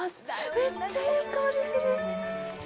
めっちゃいい香りする！